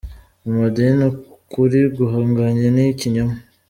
Mu madini ukuri guhanganye nikinyoma